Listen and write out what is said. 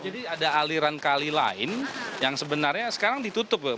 jadi ada aliran kali lain yang sebenarnya sekarang ditutup